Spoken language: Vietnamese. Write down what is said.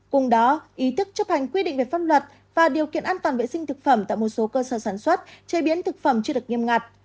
cùng đó ý thức chấp hành quy định về pháp luật và điều kiện an toàn vệ sinh thực phẩm tại một số cơ sở sản xuất chế biến thực phẩm chưa được nghiêm ngặt